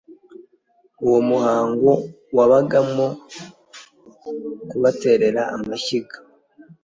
uwo muhango wabagamo kubaterera amashyiga